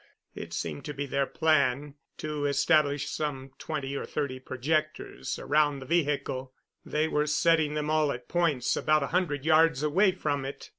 It seemed to be their plan to establish some twenty or thirty projectors around the vehicle; they were setting them all at points about a hundred yards away from it.